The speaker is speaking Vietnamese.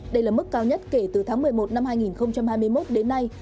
đây là mức cao nhất kể từ tháng một mươi một năm hai nghìn hai mươi một đến nay